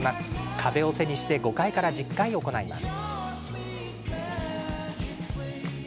壁を背にして５回から１０回、行います。